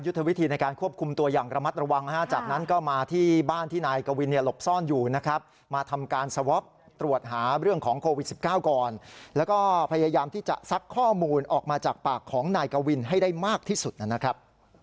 วิธีในการควบคุมตัวอย่างระมัดระวังนะฮะจากนั้นก็มาที่บ้านที่นายกวินเนี่ยหลบซ่อนอยู่นะครับมาทำการสวอปตรวจหาเรื่องของโควิด๑๙ก่อนแล้วก็พยายามที่จะซักข้อมูลออกมาจากปากของนายกวินให้ได้มากที่สุดนะครับ